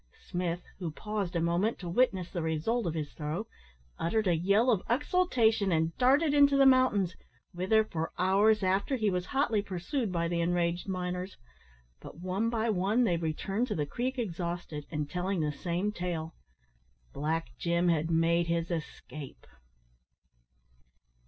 Smith, who paused a moment to witness the result of his throw, uttered a yell of exultation, and darted into the mountains, whither, for hours after, he was hotly pursued by the enraged miners. But one by one they returned to the Creek exhausted, and telling the same tale "Black Jim had made his escape."